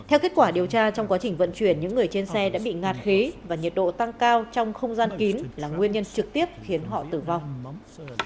theo kết quả điều tra trong quá trình vận chuyển những người trên xe đã bị ngạt khí và nhiệt độ tăng cao trong không gian kín là nguyên nhân trực tiếp khiến họ tử vong